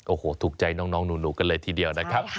โอ้โหถูกใจน้องหนูกันเลยทีเดียวนะครับ